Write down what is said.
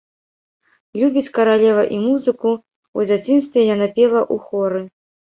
Любіць каралева і музыку, у дзяцінстве яна пела ў хоры.